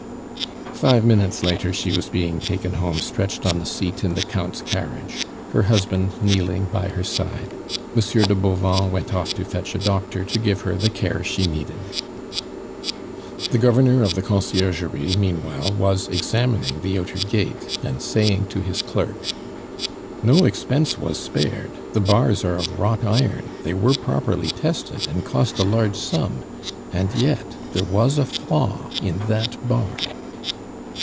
Five minutes later she was being taken home stretched on the seat in the Count's carriage, her husband kneeling by her side. Monsieur de Bauvan went off to fetch a doctor to give her the care she needed. The Governor of the Conciergerie meanwhile was examining the outer gate, and saying to his clerk: "No expense was spared; the bars are of wrought iron, they were properly tested, and cost a large sum; and yet there was a flaw in that bar."